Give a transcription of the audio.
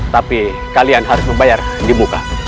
tapi kalian harus membayar di muka